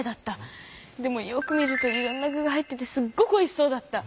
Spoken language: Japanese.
でもよく見るといろんな具が入っててすっごくおいしそうだった！